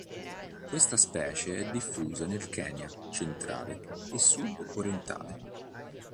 Questa specie è diffusa nel Kenya centrale e sud-orientale.